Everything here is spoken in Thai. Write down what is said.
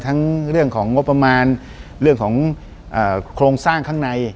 เรื่องของงบประมาณเรื่องของโครงสร้างข้างใน